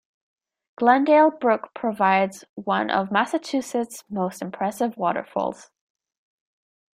Glendale Brook provides one of Massachusetts' most impressive waterfalls.